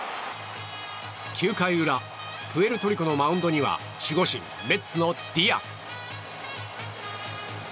９回裏プエルトリコのマウンドには守護神メッツのディアス。